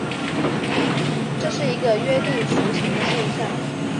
这是一个约定俗成的现像。